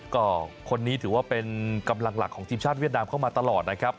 ก็คนนี้ถือว่าเป็นกำลังหลักของทีมชาติเวียดนามเข้ามาตลอดนะครับ